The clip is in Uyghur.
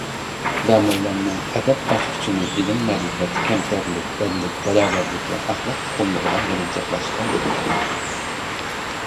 داموللامنىڭ ئەدەپ ئاچقۇچىنى ئىلىم-مەرىپەت، كەمتەرلىك، بىرلىك، باراۋەرلىك ۋە ئەخلاق ئۇقۇملىرىغا يىغىنچاقلاشقا بولىدۇ.